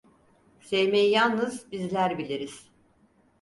Sevmeyi yalnız bizler biliriz…